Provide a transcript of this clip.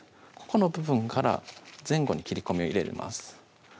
ここの部分から前後に切り込みを入れます